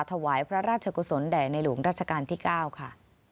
ถวายพระราชกุศลแด่ในหลวงราชการที่๙ค่ะ